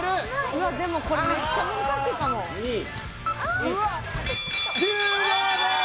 うわっでもこれメッチャ難しいかも終了です！